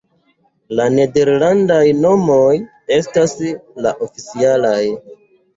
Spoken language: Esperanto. La nederlandaj nomoj estas la oficialaj.